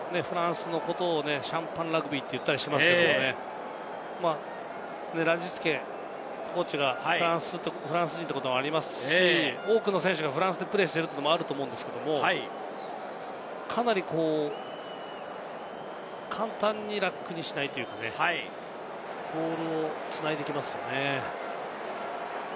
プラスのことをシャンパンラグビーて言ったりしますけど、ラジスケコーチがフランス人ということもありますし、多くの選手がフランスでプレーしているのもあると思うんですけど、かなり簡単にラックにしない、ボールを繋いできますね。